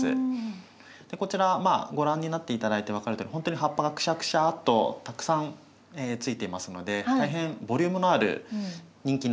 こちらご覧になって頂いて分かるとおりほんとに葉っぱがくしゃくしゃとたくさんついていますので大変ボリュームのある人気のシダになりますね。